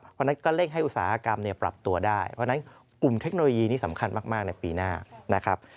เพราะฉะนั้นก็เร่งให้อุตสาหกรรมปรับตัวได้เพราะฉะนั้นกลุ่มเทคโนโลยีนี่สำคัญมากในปีหน้านะครับ